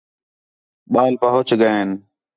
ٻال پُہچ ڳئین